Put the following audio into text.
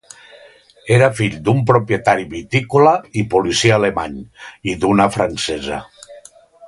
Era fill d'un propietari vitícola i policia alemany i d'una francesa.